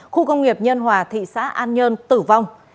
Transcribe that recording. khu công nghiệp nhân hòa thị xã an nhơn tử vong